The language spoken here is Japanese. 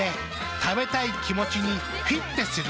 食べたい気持ちにフィッテする。